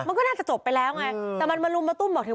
มันก็น่าจะจบไปแล้วไงแต่มันมาลุมมาตุ้มบอกถึง